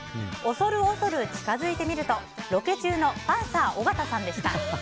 恐る恐る近づいてみるとロケ中のパンサー尾形さんでした。